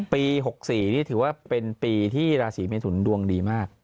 ปี๖๔นี่ถือว่าเป็นปีที่ราศีเมทุนดวงดีมาก